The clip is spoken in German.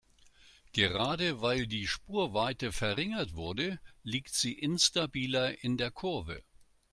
Gerade weil die Spurweite verringert wurde, liegt sie instabiler in der Kurve.